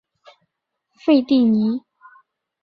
费蒂尼。